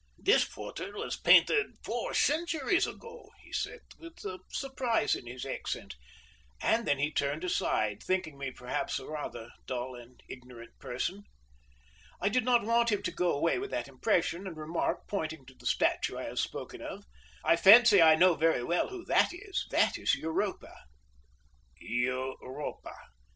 "This portrait was painted four centuries ago," he said, with surprise in his accent; and then he turned aside, thinking me, perhaps, a rather dull and ignorant person. I did not want him to go away with that impression, and remarked, pointing to the statue I have spoken of: "I fancy I know very well who that is that is Europa." "Europa?